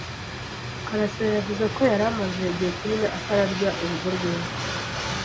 karasira yavuze ko yari amaze igihe kinini atarya urugo rwiza.